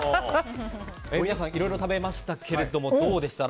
皆さんいろいろ食べましたけどどうでした？